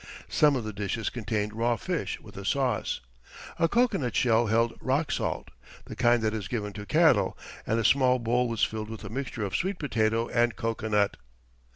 Some of the dishes contained raw fish with a sauce. A cocoanut shell held rock salt, the kind that is given to cattle, and a small bowl was filled with a mixture of sweet potato and cocoanut.